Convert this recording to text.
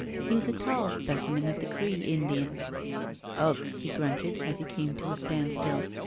He was a tall specimen of the Cree Indian. "Ugh," he grunted, as he came to a standstill.